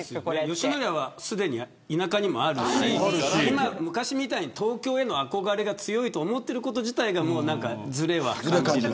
吉野家はすでに田舎にもあるし昔みたいに東京への憧れが強いと思っていること自体がずれを感じる。